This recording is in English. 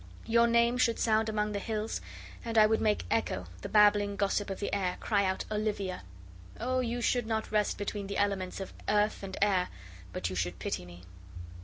Your name should sound among the hills, and I would make Echo, the babbling gossip of the air, cry out OLIVIA. Oh, you should not rest between the elements of earth and air, but you should pity me."